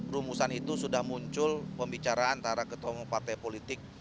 rumusan itu sudah muncul pembicaraan antara ketua umum partai politik